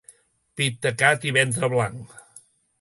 Pit tacat i ventre blanc.